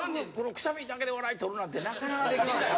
くしゃみだけで笑い取るなんてなかなかできません。